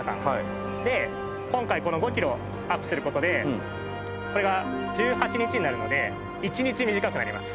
で今回この５キロアップする事でこれが１８日になるので１日短くなります。